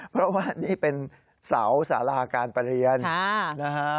เพราะว่านี่เป็นเสาสาราการประเรียนนะฮะ